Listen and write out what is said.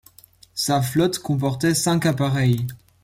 Sa flotte comportait cinq appareils.